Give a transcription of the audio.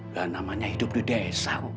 dan namanya hidup di desa